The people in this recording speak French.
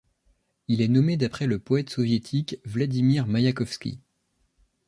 Il est nommé d'après le poète soviétique Vladimir Maïakovski.